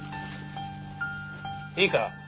いいか？